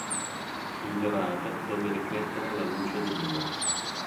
Il dorato dove riflettere la luce di Dio.